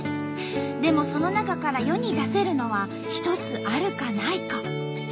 でもその中から世に出せるのは１つあるかないか。